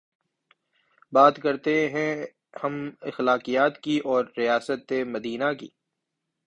بات کرتے ہیں ہم اخلاقیات کی اورریاست مدینہ کی